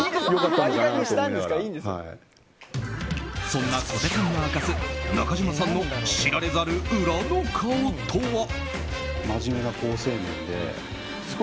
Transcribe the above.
そんな小手さんが明かす中島さんの知られざる裏の顔とは。